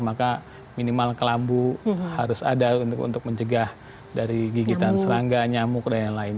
maka minimal kelambu harus ada untuk mencegah dari gigitan serangga nyamuk dan lain lain